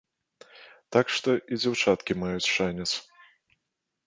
Так што і дзяўчаткі маюць шанец.